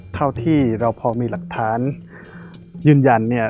ที่เราพอมีหลักฐานยืนยัน